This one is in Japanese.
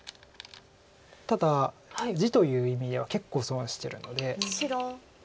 ただ地という意味では結構損してるので。